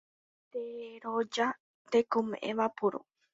Teroja tekome'ẽva puru.